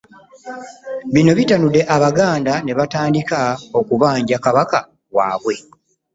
Bino bitanudde Abaganda ne batandika okubanja Kabaka waabwe.